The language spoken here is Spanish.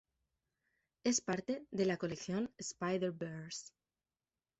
Es parte de la colección Spider-Verse.